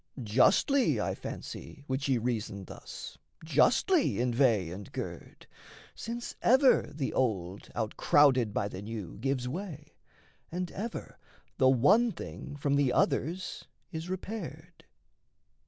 Justly, I fancy, would she reason thus, Justly inveigh and gird: since ever the old Outcrowded by the new gives way, and ever The one thing from the others is repaired.